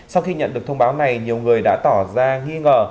sau khi nhận được thông báo này nhiều người đã tỏ ra nghi ngờ